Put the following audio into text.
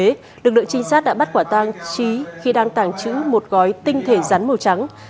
lực lượng trinh sát đã bắt quả tàng trí khi đang tàng trữ một gói tinh thể rắn màu trắng